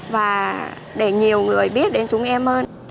và để nhiều người biết đến chúng em hơn